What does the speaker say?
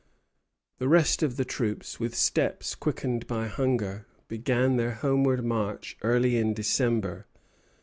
The rest of the troops, with steps quickened by hunger, began their homeward march early in December.